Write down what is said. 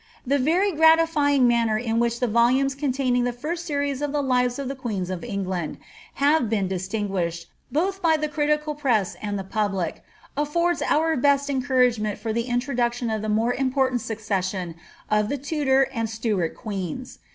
The very gratifying manner in which the volumes containing the first series of the Lives of the Queens of England have been distin guished, both by the critical press and the public, affords our best encouragement for the introduction of the more important succession of the Tudor and Stuart queens.